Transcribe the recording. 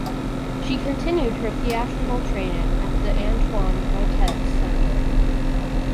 She continued her theatrical training at the Antoine Vitez Center.